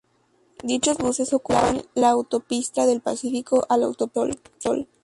Dichos buses ocupan la Autopista del Pacífico o la Autopista del Sol.